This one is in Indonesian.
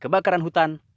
kempa bumi kebakaran hutan